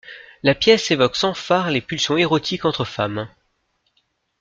La pièce évoque sans fards les pulsions érotiques entre femmes.